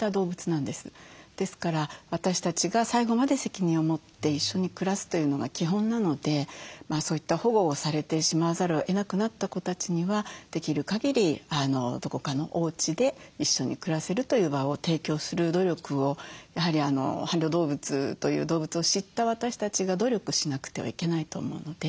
ですから私たちが最後まで責任を持って一緒に暮らすというのが基本なのでそういった保護をされてしまわざるをえなくなった子たちにはできるかぎりどこかのおうちで一緒に暮らせるという場を提供する努力をやはり「伴侶動物」という動物を知った私たちが努力しなくてはいけないと思うので。